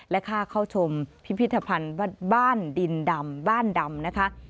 และค่าเข้าชมพิพิธภัณฑ์บ้านดินดำบ้านดำนะคะ